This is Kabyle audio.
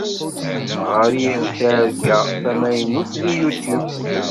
Ɣer-i targa tamaynut deg Youtube.